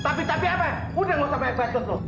tapi tapi apa ya udah gak usah banyak betul lo